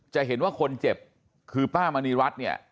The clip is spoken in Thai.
จะเห็นว่าคนเจ็บคือป้ามณีรัฐเนี่ย